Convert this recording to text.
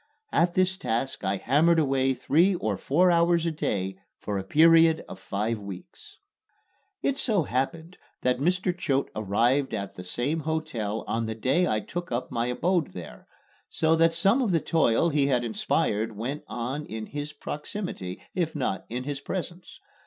At this task I hammered away three or four hours a day for a period of five weeks. It so happened that Mr. Choate arrived at the same hotel on the day I took up my abode there, so that some of the toil he had inspired went on in his proximity, if not in his presence.